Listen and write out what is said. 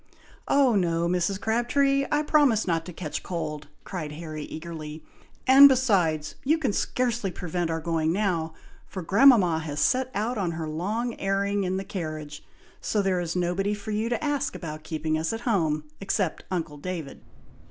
"Oh no, Mrs. Crabtree! I promise not to catch cold!" cried Harry, eagerly; "and, besides, you can scarcely prevent our going now, for grandmama has set out on her long airing in the carriage, so there is nobody for you to ask about keeping us at home, except uncle David!"